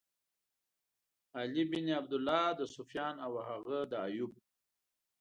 علی بن عبدالله، د سُفیان او هغه د ایوب.